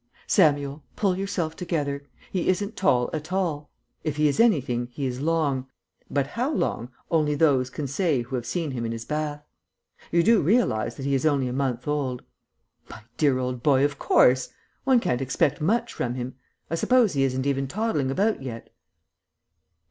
"Samuel, pull yourself together. He isn't tall at all. If he is anything he is long, but how long only those can say who have seen him in his bath. You do realize that he is only a month old?" "My dear old boy, of course. One can't expect much from him. I suppose he isn't even toddling about yet?"